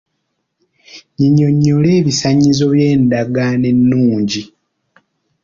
Nnyinyonnyola ebisaanyizo by'endagaano ennungi.